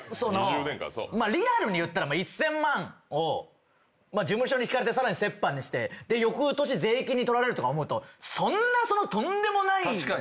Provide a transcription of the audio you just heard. リアルに言ったら１，０００万を事務所に引かれて折半にしてよくとし税金で取られるとか思うとそんなとんでもないわけじゃないのに。